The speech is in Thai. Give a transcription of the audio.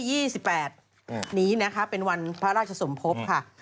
ในวันที่๒๘นี้นะครับเป็นวันพระราชสมภพค่ะ